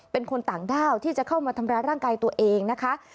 เป็นคนต่างด้าวที่จะเข้ามาทำร้ายร่างกายตัวเองนะคะ